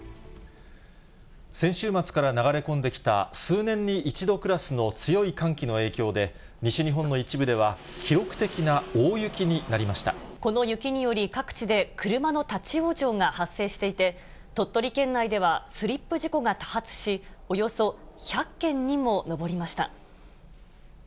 先週末から流れ込んできた、数年に一度クラスの強い寒気の影響で、西日本の一部では記録的なこの雪により、各地で車の立往生が発生していて、鳥取県内ではスリップ事故が多発し、およそ１００件にも上りました。